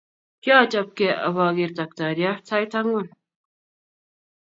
Kiachopkei apoker takrariat sait angwan